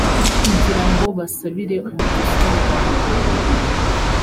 kugira ngo basabire umugisha rubanda,